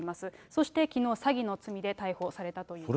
そしてきのう、詐欺の罪で逮捕されたといいます。